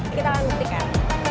kita akan buktikan